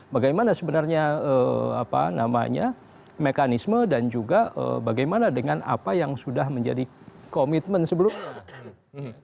bagaimana sebenarnya mekanisme dan juga bagaimana dengan apa yang sudah menjadi komitmen sebelumnya